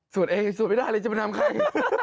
เองสวดไม่ได้เลยจะไปทำใคร